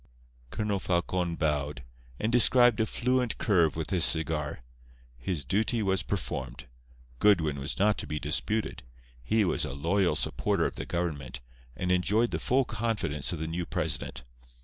Colonel Falcon bowed, and described a fluent curve with his cigar. His duty was performed. Goodwin was not to be disputed. He was a loyal supporter of the government, and enjoyed the full confidence of the new president.